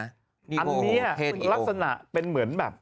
อันนี้ลักษณะเป็นเหมือนแบบ